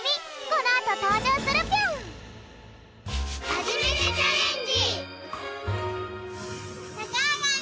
このあと登場するぴょん！